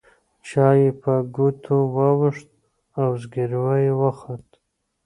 چای يې په ګوتو واوښت زګيروی يې وخوت.